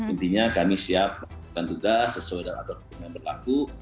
intinya kami siap melakukan tugas sesuai dengan aturan hukum yang berlaku